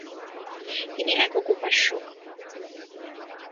তিনি একক উপাস্য।